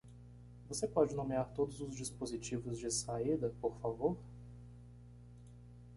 Você pode nomear todos os dispositivos de saída, por favor?